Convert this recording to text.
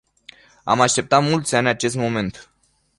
Am așteptat mulți ani acest moment.